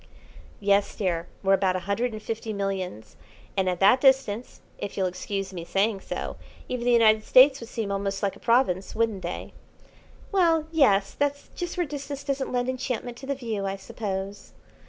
"Yes, dear; we're about a hundred and fifty millions, and at that distance, if you'll excuse me saying so, even the United States would seem almost like a province, wouldn't they?" "Well, yes; that's just where distance doesn't lend enchantment to the view, I suppose."